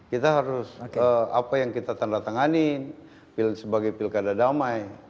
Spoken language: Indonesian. kita harus apa yang kita tandatanganin sebagai pilkada damai